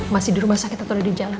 masih di rumah sakit atau di jalan